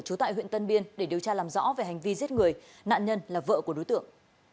trú tại huyện tân biên để điều tra làm rõ về hành vi giết người nạn nhân là vợ của đối tượng